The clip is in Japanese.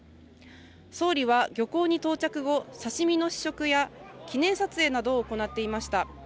総理は漁港に到着後、刺身の試食や記念撮影などを行っていました。